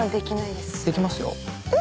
できますよ。え？